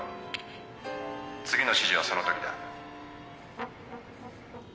次の指示はそのときだ。